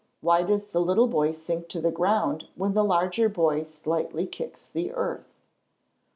_Why does the little boy sink to the ground when the larger boy slightly kicks the earth?